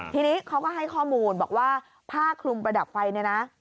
ทีนี้เขาก็ให้ข้อมูลบอกว่าผ้าคลุมประดับไฟเนี่ยนะ